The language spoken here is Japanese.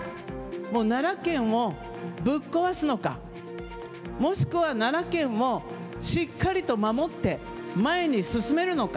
奈良県をぶっ壊すのか、もしくは奈良県をしっかりと守って、前に進めるのか。